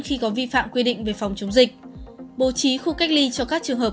khi có vi phạm quy định về phòng chống dịch bố trí khu cách ly cho các trường hợp